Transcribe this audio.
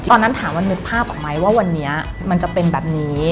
ตอนนั้นถามว่านึกภาพออกไหมว่าวันนี้มันจะเป็นแบบนี้